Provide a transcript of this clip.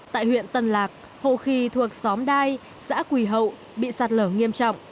tại huyện tân lạc hộ khí thuộc xóm đai xã quỳ hậu bị sạt lở nghiêm trọng